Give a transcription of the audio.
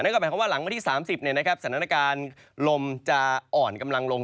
นั่นก็หมายความว่าหลังวันที่๓๐เนี่ยนะครับสถานการณ์ลมจะอ่อนกำลังลง